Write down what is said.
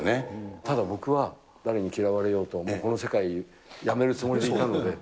ただ僕は誰に嫌われようともうこの世界、やめるつもりでいたので。